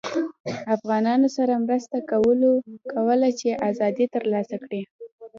افغانانوسره مرسته کوله چې ازادي ترلاسه کړي